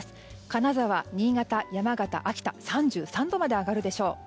金沢、新潟、山形、秋田３３度まで上がるでしょう。